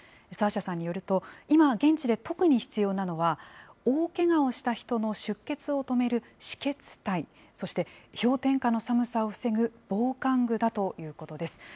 サーシャさんによると、今、現地で特に必要なのは、大けがをした人の出血を止める止血帯、そして氷点下の寒さを防ぐ防寒具だということです。